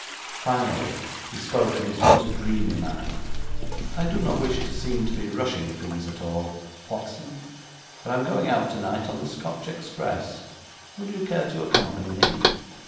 Finally he spoke in his most dreamy manner. 'I do not wish to seem to be rushing things at all, Whatson, but I am going out tonight on the Scotch Express. Would you care to accompany me?'